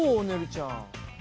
ねるちゃん。